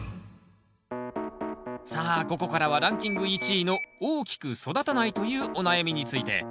さあここからはランキング１位の大きく育たないというお悩みについて。